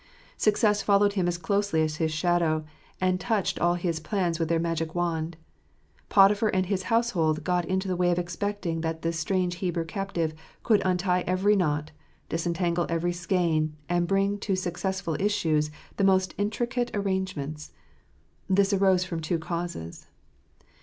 Success followed him as closely as his shadow, and touched all his plans with her magic wand. Potiphar and his household got into the way of expecting that this strange Hebrew captive could' untie every knot, disentangle every skein, and bring to successful issues the most intricate arrange ments. This arose from two causes.